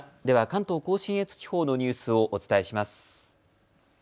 では関東甲信越地方のニュースをお伝えします。